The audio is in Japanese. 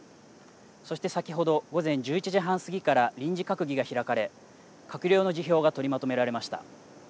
そして先ほど午前１１時半過ぎから臨時閣議が開かれ閣僚の辞表が取りまとめられました。